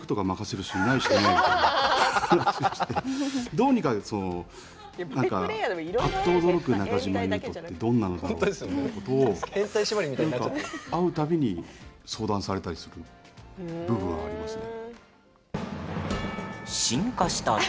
どうにかあっと驚く中島裕翔ってどんなのだろうっていうことを会う度に相談されたりする部分はありますね。